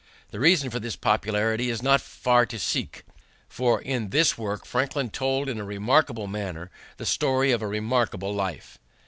The reason for this popularity is not far to seek. For in this work Franklin told in a remarkable manner the story of a remarkable life.